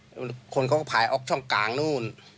บางคนเขาก็ผ่ายออกช่องกลางนู้น